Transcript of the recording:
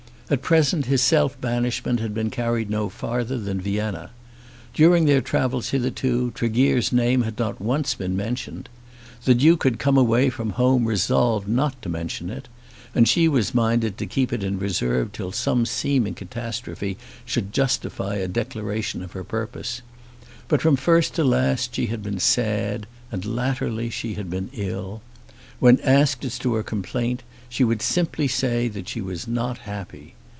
At present his self banishment had been carried no farther than Vienna. During their travels hitherto Tregear's name had not once been mentioned. The Duke had come away from home resolved not to mention it, and she was minded to keep it in reserve till some seeming catastrophe should justify a declaration of her purpose. But from first to last she had been sad, and latterly she had been ill. When asked as to her complaint she would simply say that she was not happy.